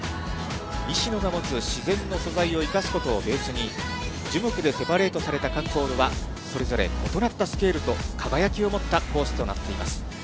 石野が持つ自然の素材を生かすことをベースに、樹木でセパレートされた各ホールは、それぞれ異なったスケールと輝きをもったコースとなっています。